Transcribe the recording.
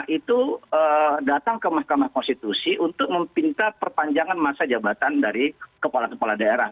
itu datang ke mahkamah konstitusi untuk meminta perpanjangan masa jabatan dari kepala kepala daerah